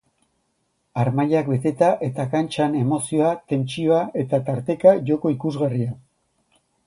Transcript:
Harmailak beteta eta kantxan emozioa, tentsioa eta, tarteka, joko ikusgarria.